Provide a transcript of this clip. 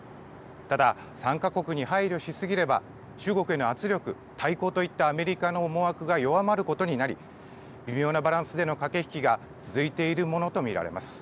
ただ、参加国に配慮しすぎれば中国への圧力対抗といったアメリカの思惑が弱まることになり微妙なバランスでの駆け引きが続いているものと見られます。